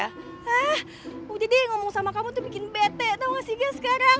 hah udah deh ngomong sama kamu tuh bikin bete tau gak sih gak sekarang